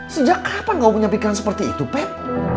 sejak kapan gak punya pikiran seperti itu pet